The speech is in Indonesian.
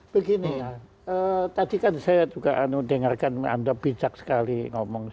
begini tadi kan saya juga dengarkan anda bijak sekali ngomong